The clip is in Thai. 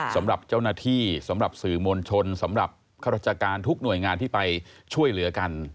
สำหรับเจ้าหน้าที่สำหรับสื่อมวลชนสำหรับข้าราชการทุกหน่วยงานที่ไปช่วยเหลือกัน